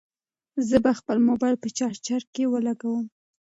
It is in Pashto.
زه به خپل موبایل په چارجر کې ولګوم.